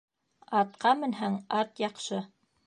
Атҡа менһәң, ат яҡшы